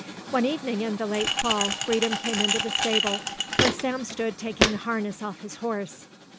One evening in the late fall Freedom came into the stable where Sam stood taking the harness off his horse.